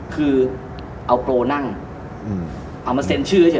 คือเอาโปรนั่งเอามาเซ็นชื่อเฉย